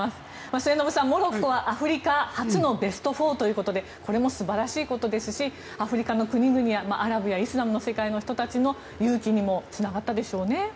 末延さん、モロッコはアフリカ初のベスト４ということでこれも素晴らしいことですしアフリカの国々やアラブやイスラムの世界の人たちの勇気にもつながったでしょうね。